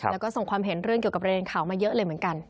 แล้วก็ส่งความเห็นเรื่องเกี่ยวกับประเด็นข่าวมาเยอะเลยเหมือนกัน